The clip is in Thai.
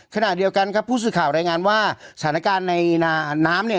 ขณะเดียวกันครับผู้สื่อข่าวรายงานว่าสถานการณ์ในน้ำเนี่ย